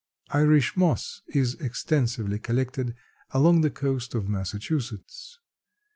Irish moss is extensively collected along the coast of Massachusetts.